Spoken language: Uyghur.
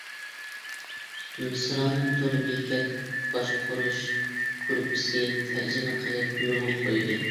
مىسرانىم تور بېكەت باشقۇرۇش گۇرۇپپىسى تەرجىمە قىلىپ يولغا قويدى!